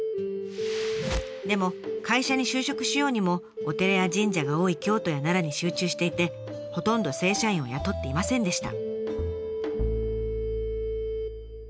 でも会社に就職しようにもお寺や神社が多い京都や奈良に集中していてほとんど正社員を雇っていませんでした。